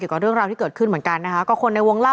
เกี่ยวกับเรื่องราวที่เกิดขึ้นเหมือนกันนะคะ